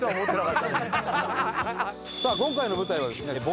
さあ今回の舞台はですね